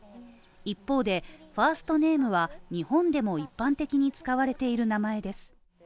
一方で、ファーストネームは日本でも一般的に使われている名前です。